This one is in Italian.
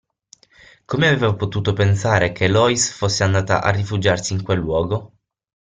Come aveva potuto pensare che Lois fosse andata a rifugiarsi in quel luogo?